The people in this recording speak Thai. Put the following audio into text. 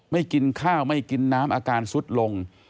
กินข้าวไม่กินน้ำอาการสุดลง